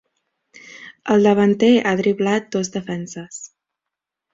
El davanter ha driblat dos defenses.